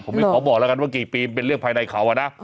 ผมไม่ขอบอกแล้วกันว่ากี่ปีมันเป็นเรื่องภายในเขาอะนะ